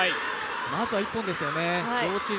まずは１本ですよね。